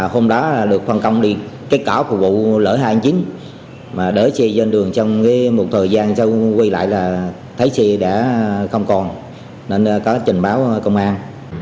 hôm đó được phân công đi kết cảo phục vụ lỡ hai chín mà đỡ xe dân đường trong một thời gian sau quay lại là thấy xe đã không còn nên có trình báo công an